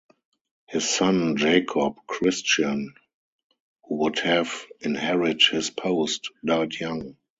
His son Jakob Christian, who would have inherited his post, died young.